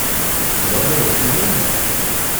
Tebɣam ad as-tinim?